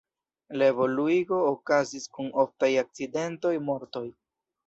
La evoluigo okazis kun oftaj akcidentoj, mortoj.